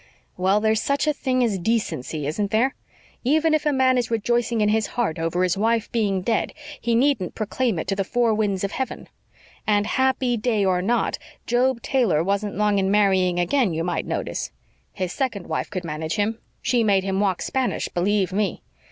"Well, there's such a thing as decency, isn't there? Even if a man is rejoicing in his heart over his wife being dead, he needn't proclaim it to the four winds of heaven. And happy day or not, Job Taylor wasn't long in marrying again, you might notice. His second wife could manage him. She made him walk Spanish, believe me!